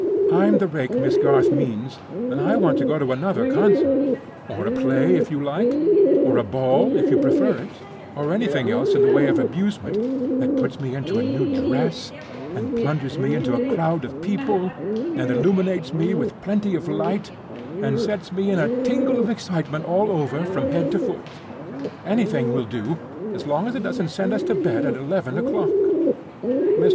"I'm the rake Miss Garth means; and I want to go to another concert—or a play, if you like—or a ball, if you prefer it—or anything else in the way of amusement that puts me into a new dress, and plunges me into a crowd of people, and illuminates me with plenty of light, and sets me in a tingle of excitement all over, from head to foot. Anything will do, as long as it doesn't send us to bed at eleven o'clock." Mr.